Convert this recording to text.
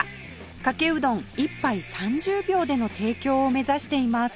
かけうどん一杯３０秒での提供を目指しています